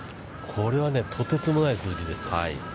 これはね、とてつもないです。